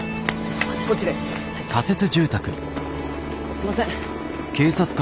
すいません。